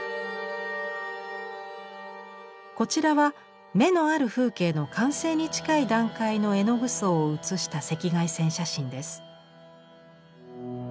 こちらは「眼のある風景」の完成に近い段階の絵の具層を写した赤外線写真です。